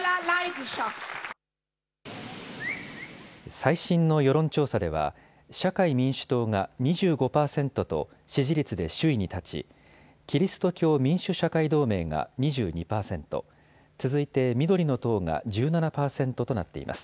最新の世論調査では社会民主党が２５％と支持率で首位に立ちキリスト教民主・社会同盟が２２％、続いて緑の党が１７％となっています。